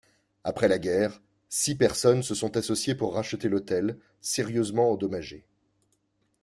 Après la guerre, six personnes se sont associées pour racheter l'hôtel, sérieusement endommagé.